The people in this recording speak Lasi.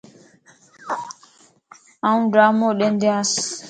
آن ڊرامو ڏندياس